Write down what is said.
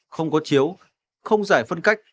không có chiếu không giải phân cách